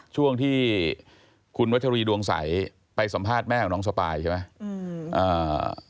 ช่วงที่คุณวัชรีดวงใสไปสัมภาษณ์แม่ของน้องสปายใช่ไหม